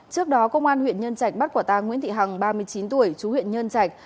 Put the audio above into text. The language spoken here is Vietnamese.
trước đó công an huyện nhân trạch bắt quả tang nguyễn thị hằng ba mươi chín tuổi chú huyện nhân trạch